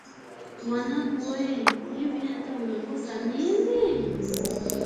Mwanangu wee! Hivi hata umekosa niini!